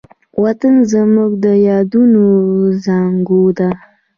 وطن زموږ د یادونو زانګو ده.